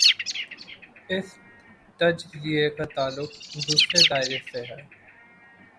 اس تجزیے کا تعلق دوسرے دائرے سے ہے۔